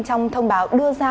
trong thông báo đưa ra